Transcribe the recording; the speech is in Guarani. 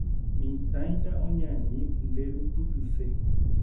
Mitãita oñani nderupytyse